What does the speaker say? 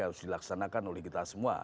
harus dilaksanakan oleh kita semua